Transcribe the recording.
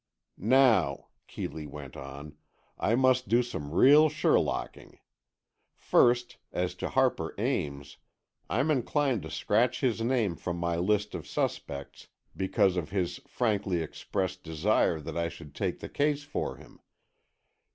"Now," Keeley went on, "I must do some real Sherlocking. First, as to Harper Ames. I'm inclined to scratch his name from my list of suspects because of his frankly expressed desire that I should take the case for him.